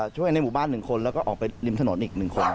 ช่วยในหมู่บ้าน๑คนแล้วก็ออกไปริมถนนอีก๑คน